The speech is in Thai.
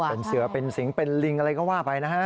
เป็นเสือเป็นสิงเป็นลิงอะไรก็ว่าไปนะฮะ